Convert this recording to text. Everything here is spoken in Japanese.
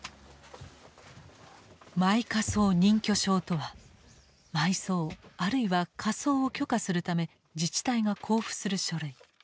「埋火葬認許証」とは埋葬あるいは火葬を許可するため自治体が交付する書類。